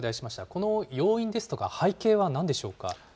この要因ですとか背景はなんでしょうか。